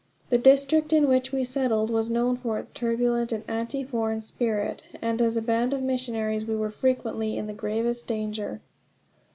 The district in which we settled was known for its turbulent and anti foreign spirit, and as a band of missionaries we were frequently in the gravest danger.